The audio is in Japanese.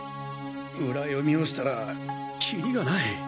裏読みをしたらキリがない。